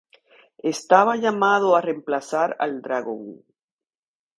Estaba llamado a reemplazar al Dragon.